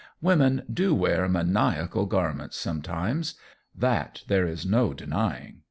Women do wear maniacal garments sometimes; that there is no denying.